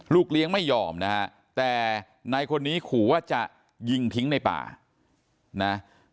ลูกเลี้ยงไม่ยอมนะครับแต่ในคนนี้ขูว่าจะยิงทิ้งในป่านะ